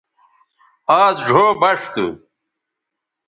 آز ڙھو بݜ تھو